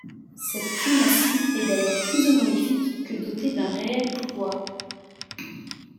Cette primatie est d'ailleurs plus honorifique que dotée d'un réel pouvoir.